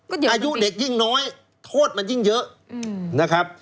อายุเด็กยิ่งน้อยโทษมันยิ่งเยอะนะครับ